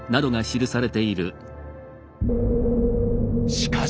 しかし。